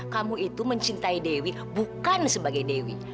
kamu itu mencintai dewi bukan sebagai dewi